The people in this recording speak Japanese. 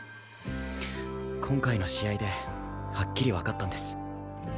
今回の試合ではっきりわかったんです。